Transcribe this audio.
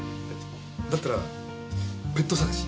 だったらペット捜し？